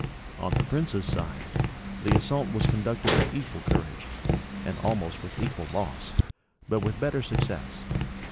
On the prince's side, the assault was conducted with equal courage, and almost with equal loss, but with better success.